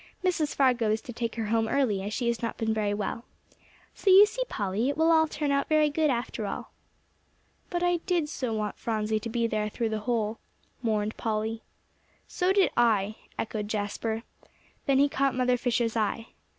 Mrs. Fargo is to take her home early, as she has not been very well. So you see, Polly, it will all turn out very good after all." "But I did so want Phronsie to be there through the whole," mourned Polly. "So did I," echoed Jasper. Then he caught Mother Fisher's eye.